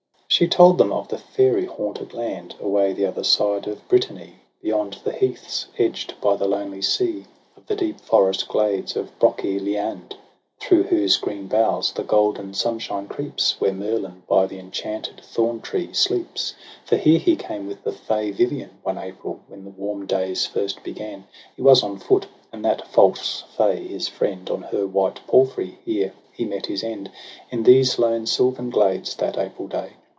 She told them of the fairy haunted land Away the other side of Brittany, VOL. I. Q 226 TRISTRAM AND ISEULT. Beyond the heaths, edged by the lonely sea; Of the deep forest glades of Broce liande, Through whose green boughs the golden sunshine creeps, Where Merlin by the enchanted thorn tree sleeps. For here he came with the fay Vivian, One April, when the warm days first began; He was on foot, and that false fay, his friend. On her white palfrey; here he met his end, In these lone sylvan glades, that April day.